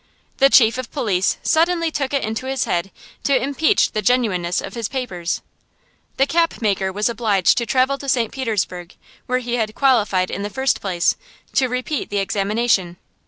The chief of police suddenly took it into his head to impeach the genuineness of his papers. The capmaker was obliged to travel to St. Petersburg, where he had qualified in the first place, to repeat the examination.